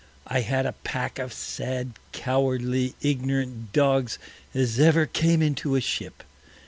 I had a Pack of sad cowardly, ignorant Dogs as ever came into a Ship.